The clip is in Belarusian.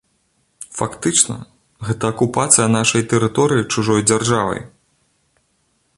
Фактычна, гэта акупацыя нашай тэрыторыі чужой дзяржавай.